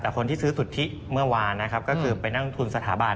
คนที่ซื้อสุดทิศเมื่อวานคือทุนสถาบัน